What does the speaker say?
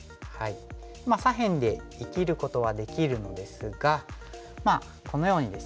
まあ左辺で生きることはできるのですがこのようにですね